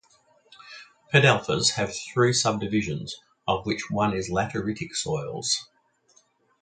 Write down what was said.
Pedalfers have three subdivisions of which one is Lateritic soils.